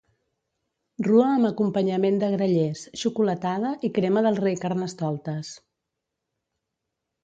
Rua amb acompanyament de grallers, xocolatada i crema del rei Carnestoltes.